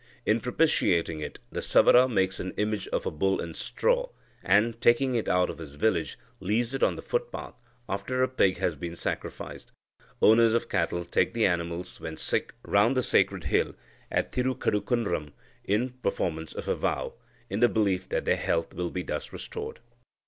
In propitiating it, the Savara makes an image of a bull in straw, and, taking it out of his village, leaves it on the footpath, after a pig has been sacrificed. Owners of cattle take the animals when sick round the sacred hill at Tirukazhukunram in performance of a vow, in the belief that their health will be thus restored.